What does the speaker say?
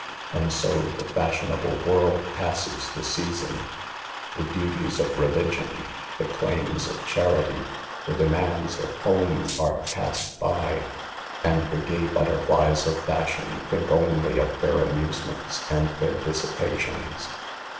And so the fashionable world passes the u season." The duties of religion, the claims of charity, the demands of home are passed by ; and the gay butterflies of fashion think only of their amusements and their dissipations.